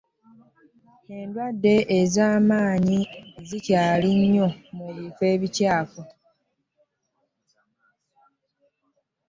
Endwade ez'amanyi zikyali nnyo mu biffo ebikyafu.